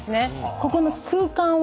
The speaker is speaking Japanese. ここの空間